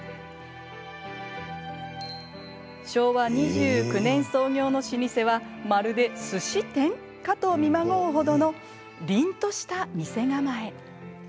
昭和２９年創業の老舗はまるですし店？かと見まごうほどのりんとした店構え。